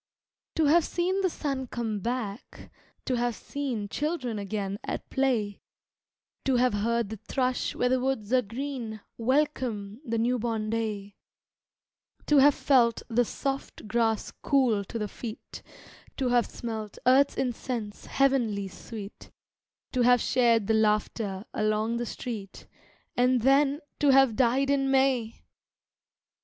To have seen the sun come back, to have seen Children again at play, To have heard the thrush where the woods are green Welcome the new born day, To have felt the soft grass cool to the feet, To have smelt earth's incense, heavenly sweet, To have shared the laughter along the street, And, then, to have died in May!